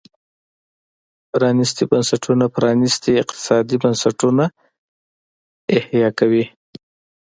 پرانيستي بنسټونه پرانيستي اقتصادي بنسټونه حیه کوي.